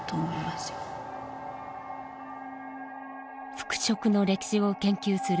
服飾の歴史を研究する